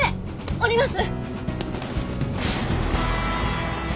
降ります！